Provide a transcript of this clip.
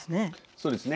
そうですね。